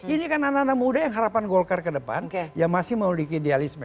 ini kan anak anak muda yang harapan golkar ke depan yang masih memiliki idealisme